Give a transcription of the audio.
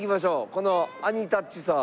このアニタッチさん。